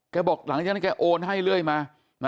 บอกหลังจากนั้นแกโอนให้เรื่อยมา